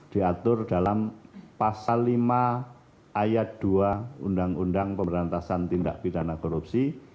diatur dalam pasal lima ayat dua undang undang pemberantasan tindak pidana korupsi